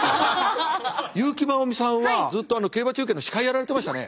優木まおみさんはずっと競馬中継の司会やられてましたね。